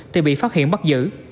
thì bị phát hiện bắt giữ